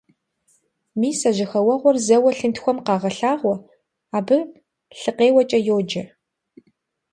Мис а жьэхэуэгъуэр зэуэ лъынтхуэхэм къагъэлъагъуэ, абы лъыкъеуэкӀэ йоджэ.